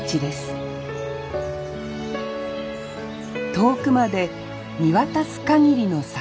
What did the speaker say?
遠くまで見渡す限りの桜。